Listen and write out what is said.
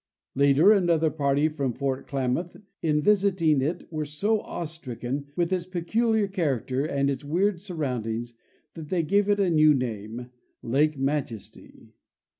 Later another party from fort Klamath in Visiting it were so awestricken with its peculiar character and its weird sur roundings that they gave it a new name, " Lake Majesty."